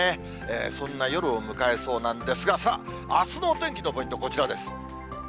そんな夜を迎えそうなんですが、さあ、あすのお天気のポイント、こちらです。